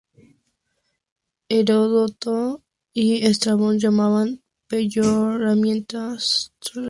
Herodoto y Estrabón llamaban peyorativamente trogloditas a los miembros de esta etnia.